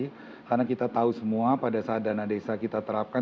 dari presiden jokowi karena kita tahu semua pada saat dana desa kita terapkan